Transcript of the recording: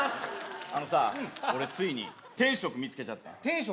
あのさ俺ついに天職見つけちゃった天職？